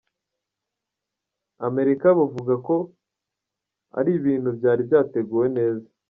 Amerika buvuga ko ari ibintu byari byateguwe neza.